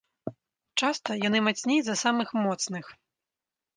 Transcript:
Часта яны мацней за самых моцных.